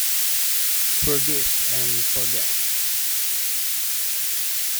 Forgive and forget.